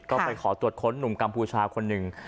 ก็ไปขอตรวจค้นหนุ่มกัมพูชาคนหนึ่ง